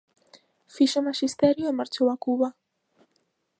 Fixo maxisterio e marchou a Cuba.